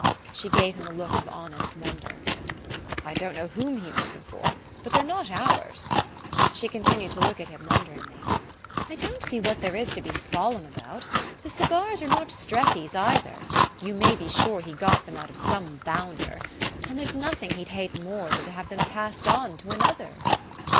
She gave him a look of honest wonder. "I don't know whom he meant them for but they're not ours...." She continued to look at him wonderingly. "I don't see what there is to be solemn about. The cigars are not Streffy's either... you may be sure he got them out of some bounder. And there's nothing he'd hate more than to have them passed on to another."